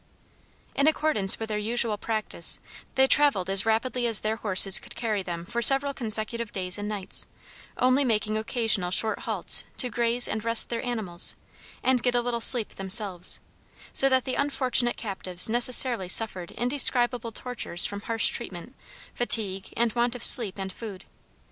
In accordance with their usual practice, they traveled as rapidly as their horses could carry them for several consecutive days and nights, only making occasional short halts to graze and rest their animals, and get a little sleep themselves, so that the unfortunate captives necessarily suffered indescribable tortures from harsh treatment, fatigue, and want of sleep and food.